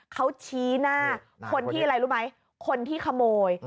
เขาชี้หน้าคนที่อะไรรู้ไหมคนที่ขโมย